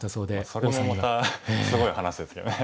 それもまたすごい話ですけどね。